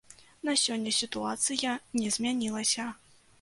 На сёння сітуацыя не змянілася.